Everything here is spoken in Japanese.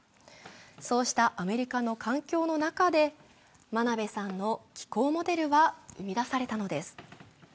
そうしたアメリカの環境の中で真鍋さんの気候モデルは生み出されたのです。